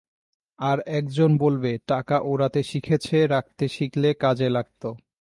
আর-একজন বললে, টাকা ওড়াতে শিখেছে, রাখতে শিখলে কাজে লাগত।